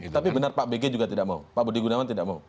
tapi benar pak bg juga tidak mau pak budi gunawan tidak mau